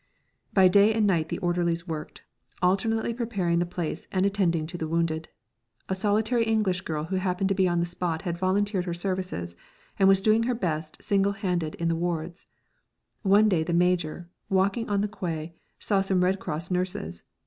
By day and night the orderlies worked, alternately preparing the place and attending to the wounded. A solitary English girl who happened to be on the spot had volunteered her services, and was doing her best single handed in the wards. One day the Major, walking on the quay, saw some Red Cross nurses.